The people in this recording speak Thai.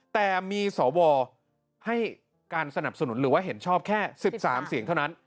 แต่มีสวให้การสนับสนุนหรือว่าเห็นชอบแค่๑๓เสียงเท่านั้น